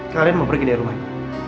kalian mau pergi dari rumah ini